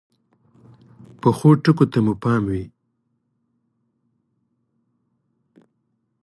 پخو ټکو ته پام وي